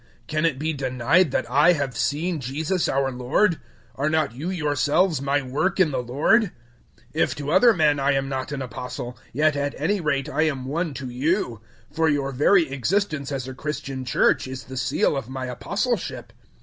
Can it be denied that I have seen Jesus, our Lord? Are not you yourselves my work in the Lord? 009:002 If to other men I am not an Apostle, yet at any rate I am one to you; for your very existence as a Christian Church is the seal of my Apostleship.